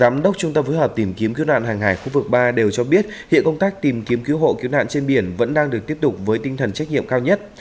những hợp tìm kiếm cứu nạn hàng hải khu vực ba đều cho biết hiện công tác tìm kiếm cứu hộ cứu nạn trên biển vẫn đang được tiếp tục với tinh thần trách nhiệm cao nhất